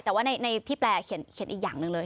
แต่ว่าในที่แปลเขียนอีกอย่างหนึ่งเลย